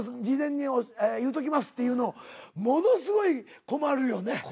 事前に言うときます」っていうのものすごい困るよね。